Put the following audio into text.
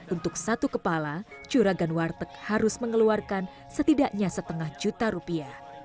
untuk satu kepala curagan warteg harus mengeluarkan setidaknya setengah juta rupiah